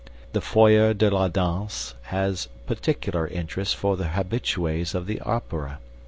"The foyer de la danse has particular interest for the habitues of the Opera.